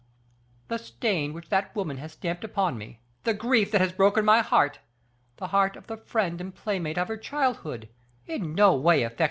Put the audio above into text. "The stain which that woman has stamped upon me, the grief that has broken my heart, the heart of the friend and playmate of her childhood, in no way affects M.